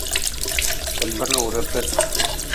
Tamar ruurta.